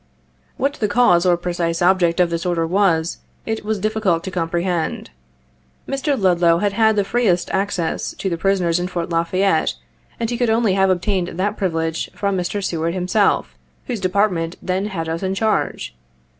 What the cause or precise object of this order was, it was difficult to comprehend. Mr. Ludlow had had the freest access to the prisoners in Fort La Fayette, and he could only have obtained that privilege from Mr. Seward himself, whose Department then had us in charge.